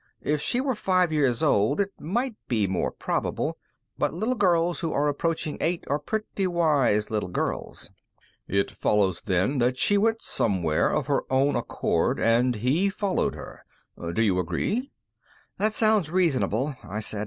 If she were five years old, it might be more probable, but little girls who are approaching eight are pretty wise little girls." "It follows, then, that she went somewhere of her own accord and he followed her. D'you agree?" "That sounds most reasonable," I said.